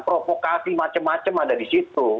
provokasi macem macem ada disitu